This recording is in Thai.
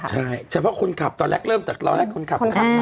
ใช่เฉพาะคนขับตอนแรกเริ่มแต่ตอนแรกคนขับมา